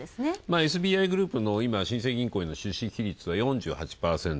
ＳＢＩグループの新生銀行への出資比率は４８％。